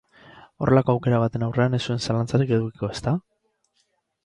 Horrelako aukera baten aurrean ez zuen zalantzarik edukiko, ezta?